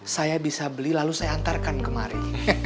saya bisa beli lalu saya antarkan kemari